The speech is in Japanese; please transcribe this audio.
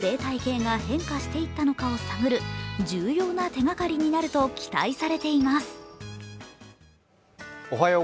生物がどのように世界中に広がり生態系が変化していったのかを探る重要な手がかりになると期待されています。